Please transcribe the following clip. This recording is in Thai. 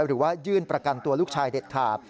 หรือว่ายื่นประกันตัวลูกชายเด็ดขาด